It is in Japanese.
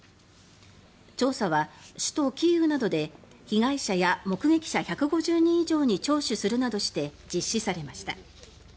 調査は、首都キーウなどで被害者や目撃者１５０人以上に聴取するなどして実施されました。